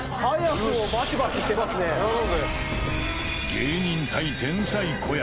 芸人対天才子役